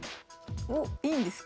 おっいいんですか？